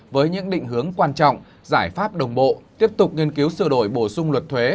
với những định hướng quan trọng giải pháp đồng bộ tiếp tục nghiên cứu sửa đổi bổ sung luật thuế